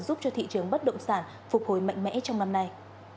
giúp cho thị trường bất động sản phục hồi mạnh mẽ trong năm nay